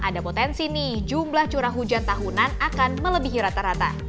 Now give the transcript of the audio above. ada potensi nih jumlah curah hujan tahunan akan melebihi rata rata